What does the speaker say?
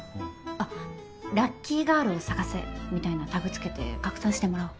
あ「ラッキーガールを探せ」みたいなタグつけて拡散してもらおう。